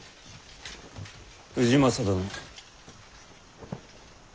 氏政殿。